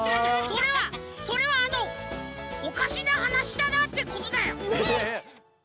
それはそれはあのおかしなはなしだなってことだよ。